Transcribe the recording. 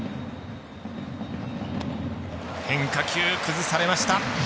変化球、崩されました。